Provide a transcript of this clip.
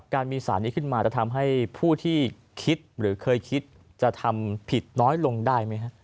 การมีสารนี้ขึ้นมาจะทำให้ผู้ที่คิดหรือเคยคิดจะทำผิดน้อยลงได้ไหมครับ